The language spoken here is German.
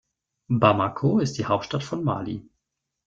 Bamako ist die Hauptstadt von Mali.